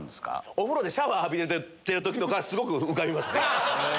お風呂でシャワー浴びてる時とかすごく浮かびますね。